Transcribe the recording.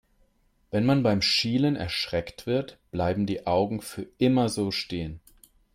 Wenn man beim Schielen erschreckt wird, bleiben die Augen für immer so stehen.